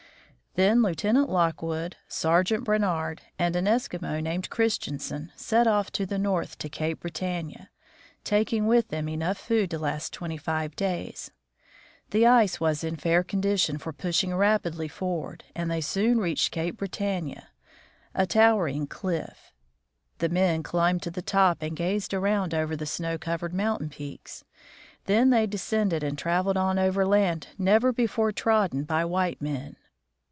Then Lieutenant Lockwood, Sergeant Brainard, and an Eskimo named Christianson set off to the north to Cape Britannia, taking with them enough food to last twenty 87 88 THE FROZEN NORTH five days. The ice was in fair condition for pushing rapidly forward, and they soon reached Cape Britannia, a An Arctic Snowstorm. towering cliff. The men climbed to the top and gazed around over the snow covered mountain peaks. Then they FARTHEST NORTH OF THE GREELY PARTY 89 descended and traveled on over land never before trodden by white men.